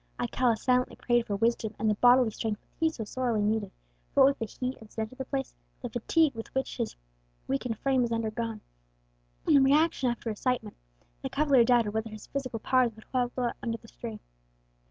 Alcala silently prayed for wisdom and the bodily strength which he so sorely needed; for what with the heat and the scent of the place, the fatigue which his weakened frame had undergone, and the reaction after excitement, the cavalier doubted whether his physical powers would hold out under the strain.